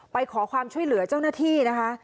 ไปขอความช่วยเหลือเจ้าหน้าที่นะคะ